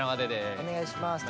お願いします